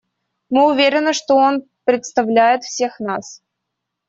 Мы уверены, что он представляет всех нас.